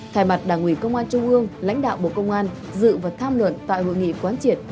thay mặt đảng ủy công an trung ương lãnh đạo bộ công an dự và tham luận tại hội nghị quán triệt